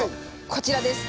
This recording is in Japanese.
こちらです。